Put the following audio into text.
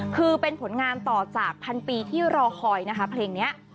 คือเป็นผลงานต่อจากพันปีที่รอคอยนะคะเพลงนี้